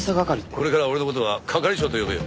これからは俺の事は「係長」と呼べよ。